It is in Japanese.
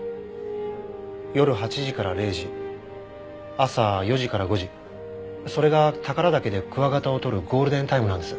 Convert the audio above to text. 夜８時から０時朝４時から５時それが宝良岳でクワガタを捕るゴールデンタイムなんです。